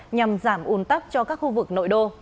nhằm giảm un tắc cho các khu vực nội đô